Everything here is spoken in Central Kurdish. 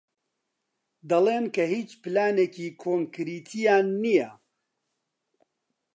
دەڵێن کە هیچ پلانێکی کۆنکریتییان نییە.